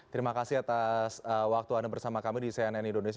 terima kasih atas waktu anda bersama kami di cnn indonesia